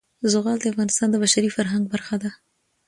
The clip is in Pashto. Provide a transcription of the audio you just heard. زغال د افغانستان د بشري فرهنګ برخه ده.